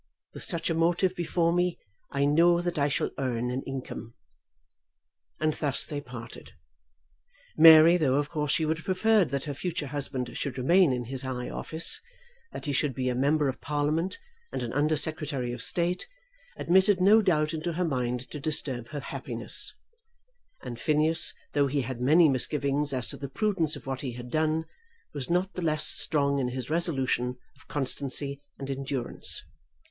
With such a motive before me I know that I shall earn an income." And thus they parted. Mary, though of course she would have preferred that her future husband should remain in his high office, that he should be a member of Parliament and an Under Secretary of State, admitted no doubt into her mind to disturb her happiness; and Phineas, though he had many misgivings as to the prudence of what he had done, was not the less strong in his resolution of constancy and endurance.